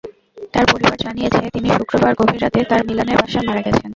তাঁর পরিবার জানিয়েছে, তিনি শুক্রবার গভীর রাতে তাঁর মিলানের বাসায় মারা গেছেন।